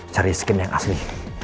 cari skin yang asli